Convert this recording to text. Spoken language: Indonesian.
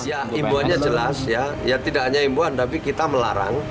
ya imbuannya jelas ya tidak hanya imbuan tapi kita melarang